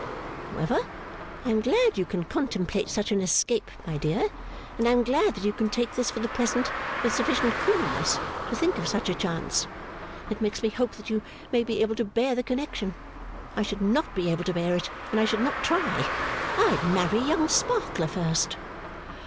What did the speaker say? However, I am glad you can contemplate such an escape, my dear, and I am glad that you can take this for the present with sufficient coolness to think of such a chance. It makes me hope that you may be able to bear the connection. I should not be able to bear it, and I should not try. I'd marry young Sparkler first.